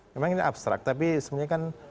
memang ini abstrak tapi sebenarnya kan